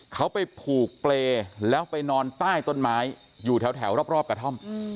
เขาไปผูกเปรย์แล้วไปนอนใต้ต้นไม้อยู่แถวรอบกระท่อม